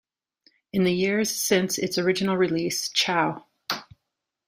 In the years since its original release, Ciao!